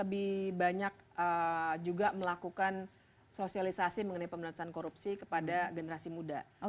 lebih banyak juga melakukan sosialisasi mengenai pemerintahan korupsi kepada generasi muda